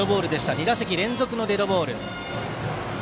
２打席連続のデッドボール。